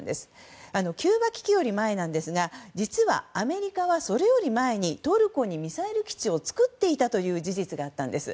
キューバ危機より前なんですが実はアメリカはそれより前にトルコにミサイル基地を作っていたという事実があったんです。